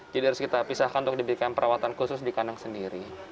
jadi harus kita pisahkan untuk diberikan perawatan khusus di kandang sendiri